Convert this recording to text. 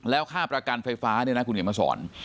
แล้วค่าประกันไฟฟ้าเนี่ยนะคุณเขียนมาสอน